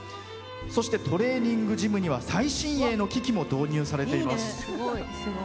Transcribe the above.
そして、トレーニングジムには最新鋭の機器も導入されています。